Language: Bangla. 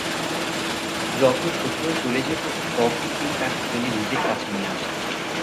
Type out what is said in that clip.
যখন শত্রুরা চলে যেত তখন তিনি তাকে টেনে নিজের কাছে নিয়ে আসতেন।